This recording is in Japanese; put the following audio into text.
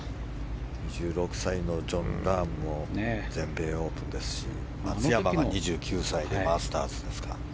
２６歳のジョン・ラームも全米オープンですし松山が２９歳でマスターズですか。